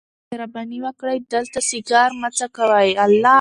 مهرباني وکړئ دلته سیګار مه څکوئ.